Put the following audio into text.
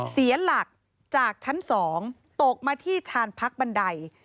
เสียหลักจากชั้น๒ตกมาที่ชาญพักบันได